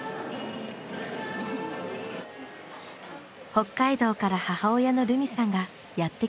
北海道から母親のルミさんがやって来たのだ。